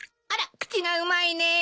あら口がうまいね。